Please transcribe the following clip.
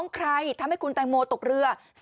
ใครทำให้คุณแตงโมตกเรือ